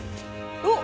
おっ。